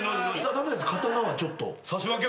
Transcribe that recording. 駄目です刀はちょっと。